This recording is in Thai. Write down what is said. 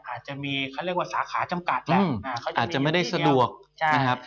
อาจจะมีเขาเรียกว่าสาขาจำกัดแหละเขาอาจจะไม่ได้สะดวกนะครับ